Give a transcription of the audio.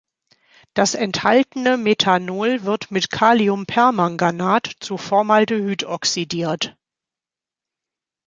Das enthaltene Methanol wird mit Kaliumpermanganat zu Formaldehyd oxidiert.